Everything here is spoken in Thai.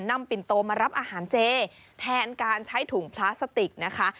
ปิ่นโตมารับอาหารเจแทนการใช้ถุงพลาสติกนะคะ